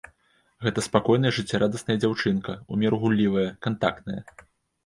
Гэта спакойная жыццярадасная дзяўчынка, у меру гуллівая, кантактная.